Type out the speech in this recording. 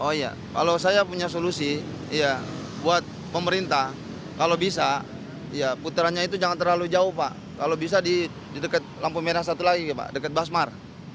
oh iya kalau saya punya solusi buat pemerintah kalau bisa ya puterannya itu jangan terlalu jauh pak kalau bisa di dekat lampu merah satu lagi pak dekat basmar